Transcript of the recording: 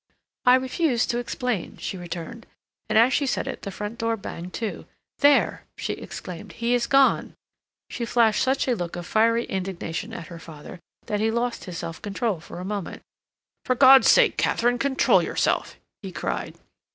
"I refuse to explain," she returned, and as she said it the front door banged to. "There!" she exclaimed. "He is gone!" She flashed such a look of fiery indignation at her father that he lost his self control for a moment. "For God's sake, Katharine, control yourself!" he cried.